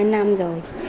hai năm rồi